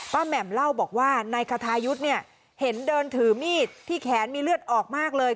แหม่มเล่าบอกว่านายคทายุทธ์เนี่ยเห็นเดินถือมีดที่แขนมีเลือดออกมากเลย